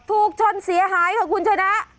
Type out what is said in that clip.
ถูกชนเสียหายค่ะคุณชนะ